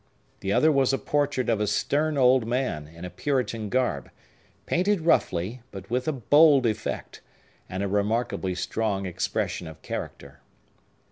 The other was a portrait of a stern old man, in a Puritan garb, painted roughly, but with a bold effect, and a remarkably strong expression of character.